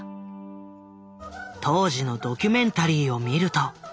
当時のドキュメンタリーを見ると。